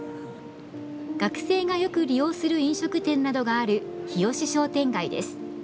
学生がよく利用する飲食店などがある日吉商店街です。